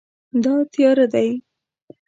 دا تیاره دی